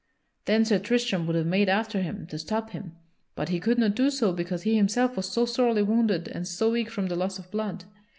Then Sir Tristram would have made after him to stop him, but he could not do so because he himself was so sorely wounded and so weak from the loss of blood.